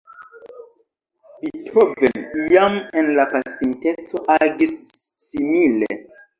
Beethoven jam en la pasinteco agis simile.